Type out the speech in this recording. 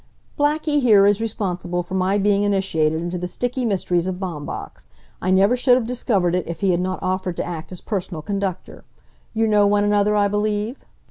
"Blackie here is responsible for my being initiated into the sticky mysteries of Baumbach's. I never should have discovered it if he had not offered to act as personal conductor. You know one another, I believe?"